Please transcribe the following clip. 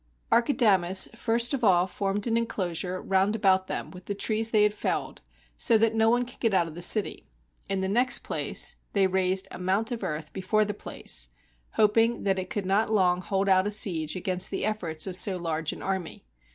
] Archidamus first of all formed an inclosure round about them with the trees they had felled, so that no one could get out of the city. In the next place, they raised a mount of earth before the place, hoping that it could not long hold out a siege against the eifforts of so large an army.